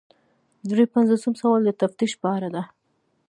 درې پنځوسم سوال د تفتیش په اړه دی.